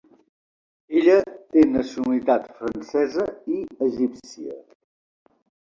Ella té nacionalitat francesa i egípcia.